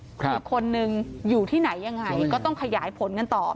อีกคนนึงอยู่ที่ไหนยังไงก็ต้องขยายผลกันต่อ